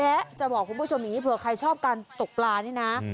และจะบอกคุณผู้ชมอย่างนี้เผื่อใครชอบการตกปลานี่นะ